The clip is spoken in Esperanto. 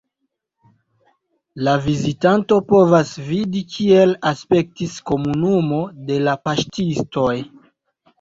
La vizitanto povas vidi, kiel aspektis komunumo de la paŝtistoj.